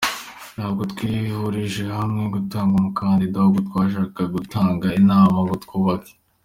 Ntabwo twihurije hamwe gutanga umukandida ahubwo twashakaga gutanga inama ngo twubake.